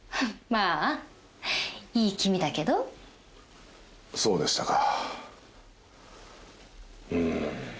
まあいい気味だけどそうでしたか